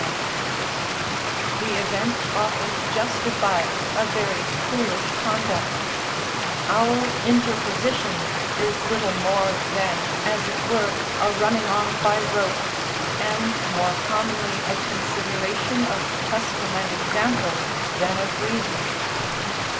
395] the event often justifies a very foolish conduct; our interposition is little more than as it were a running on by rote, and more commonly a consideration of custom and example, than of reason.